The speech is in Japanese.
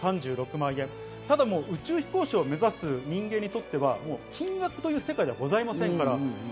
宇宙飛行士を目指す人間にとってはもう金額という世界ではございませんから。